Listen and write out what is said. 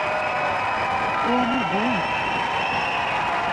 ও আমার বোন!